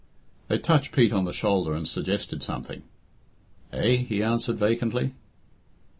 They touched Pete on the shoulder and suggested something. "Eh?" he answered vacantly.